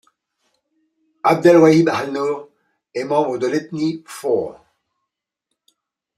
Abdelwahid al-Nour est membre de l'ethnie Four.